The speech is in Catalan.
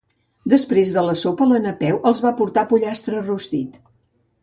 Després de la sopa, la Napeu els va portar pollastre rostit.